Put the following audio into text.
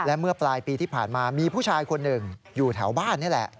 และเมื่อปลายปีที่ผ่านมามีผู้ชายคนหนึ่งอยู่แถวบ้านนี่แหละ